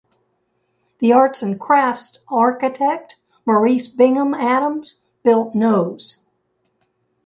The arts and crafts architect Maurice Bingham Adams built nos.